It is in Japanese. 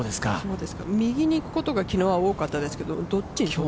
右にいくことが昨日は多かったんですけどどうですか？